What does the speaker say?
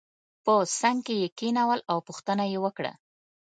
په څنګ کې یې کېنول او پوښتنه یې وکړه.